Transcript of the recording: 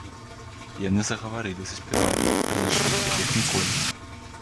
І яны загаварылі, заспявалі, разышліся, як ніколі.